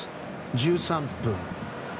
１３分。